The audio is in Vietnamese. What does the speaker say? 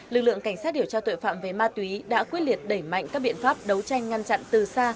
lực lượng cảnh sát điều tra tội phạm về ma túy đã quyết liệt đẩy mạnh các biện pháp đấu tranh ngăn chặn từ xa